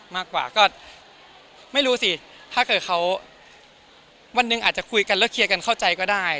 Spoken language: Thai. มากกว่าก็ไม่รู้สิถ้าเกิดเขาวันหนึ่งอาจจะคุยกันแล้วเคลียร์กันเข้าใจก็ได้